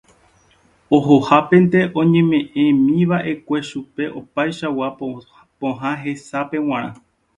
Ohohápente oñeme'ẽmiva'ekue chupe opaichagua pohã hesápe g̃uarã